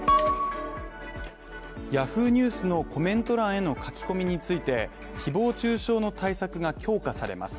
ヤフーニュースのコメント欄への書き込みについて誹謗中傷の対策が強化されます。